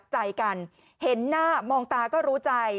ใจกันเห็นหน้ามองตาก็รู้ใจ